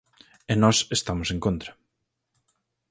E nós estamos en contra.